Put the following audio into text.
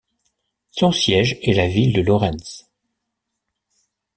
Son siège est la ville de Laurens.